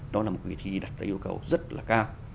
nó là một cái kỳ thi đặt ra yêu cầu rất là cao